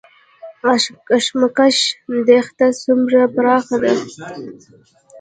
اشکمش دښته څومره پراخه ده؟